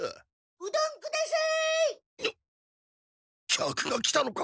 ごめんください！